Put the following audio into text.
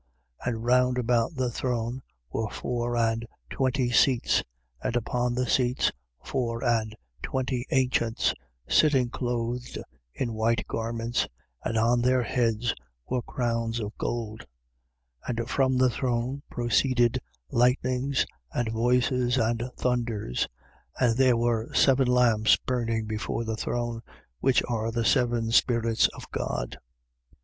4:4. And round about the throne were four and twenty seats: and upon the seats, four and twenty ancients sitting, clothed in white garments. And on their heads were crowns of gold. 4:5. And from the throne proceeded lightnings and voices and thunders. And there were seven lamps burning before the throne, which are the seven Spirits of God.